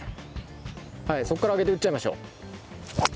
はいそこから上げて打っちゃいましょう。